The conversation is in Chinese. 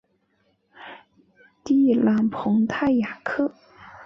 蒂朗蓬泰雅克。